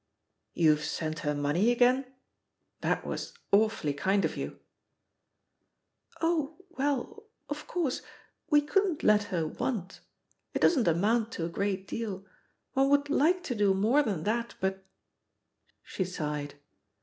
"YouVe sent her money again? That was awfully kind of you." "Oh, well, of coiu*se, we couldn't let her want — ^it doesn't amount to a great deal. One would like to do more than that, but " She sighed.